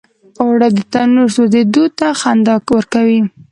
اوړه د تنور سوزیدو ته خندا ورکوي